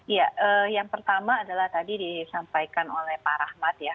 ya yang pertama adalah tadi disampaikan oleh pak rahmat ya